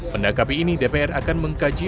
menanggapi ini dpr akan mengkaji